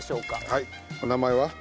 はいお名前は？